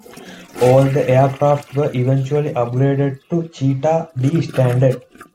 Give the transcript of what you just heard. All the aircraft were eventually upgraded to Cheetah D standard.